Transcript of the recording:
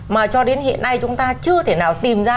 mà cho đến hiện nay chúng ta chưa thể nào tìm ra